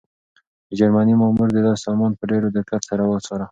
د جرمني مامور د ده سامان په ډېر دقت سره وڅاره.